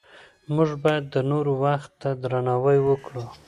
موږ باید د نورو وخت ته درناوی وکړو